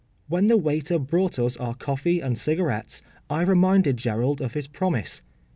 When the waiter brought us our coffee and cigarettes I reminded Gerald of his promise.